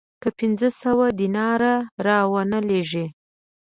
که پنځه سوه دیناره را ونه لېږې